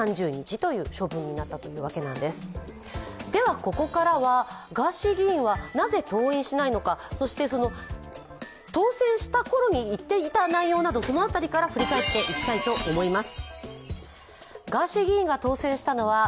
ここからはガーシー議員はなぜ登院しないのか当選したころに言っていた内容など、この辺りから振り返っていきたいと思います。